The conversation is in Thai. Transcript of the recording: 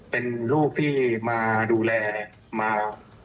เป็นลูกที่มาดูแลมา